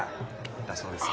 だそうです。